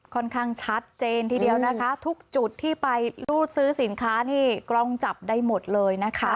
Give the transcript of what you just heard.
ค่อนข้างชัดเจนทีเดียวนะคะทุกจุดที่ไปรูดซื้อสินค้านี่กล้องจับได้หมดเลยนะคะ